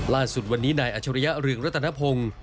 ล่าสุดวันนี้นายอัชริยะเรืองรัตนพงศ์